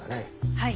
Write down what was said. はい。